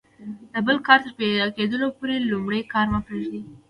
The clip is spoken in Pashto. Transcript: د بل کار تر پیدا کیدلو پوري لومړی کار مه پرېږئ!